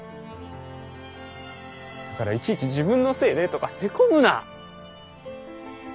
だからいちいち「自分のせいで」とかへこむな！